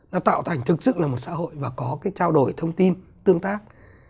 nó tạo thành thực sự là một xã hội và có cái trao đổi thông tin tương tác